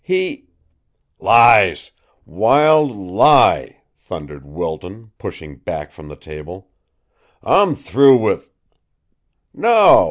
He " "Lies! Wild lie!" thundered Wilton, pushing back from the table. "I'm through with " "No!